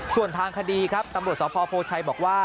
ส่วนทางคดีครับตำรวจสพโพชัยบอกว่า